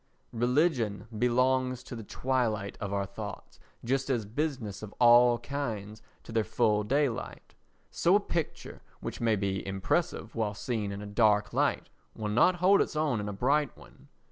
Religion belongs to the twilight of our thoughts, just as business of all kinds to their full daylight. So a picture which may be impressive while seen in a dark light will not hold its own in a bright one.